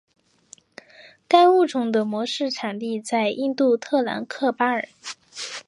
该物种的模式产地在印度特兰克巴尔。